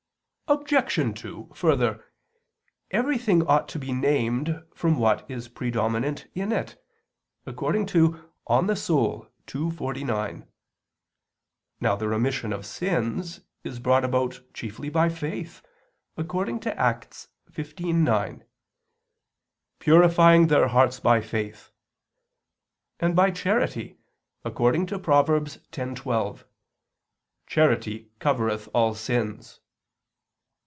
Obj. 2: Further, everything ought to be named from what is predominant in it, according to De Anima ii, text. 49. Now the remission of sins is brought about chiefly by faith, according to Acts 15:9: "Purifying their hearts by faith"; and by charity, according to Prov. 10:12: "Charity covereth all sins."